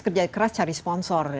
kerja keras cari sponsor